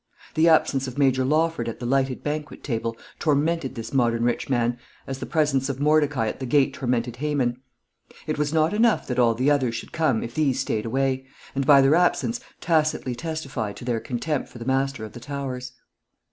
The absence of Major Lawford at the lighted banquet table tormented this modern rich man as the presence of Mordecai at the gate tormented Haman. It was not enough that all the others should come if these stayed away, and by their absence tacitly testified to their contempt for the master of the Towers.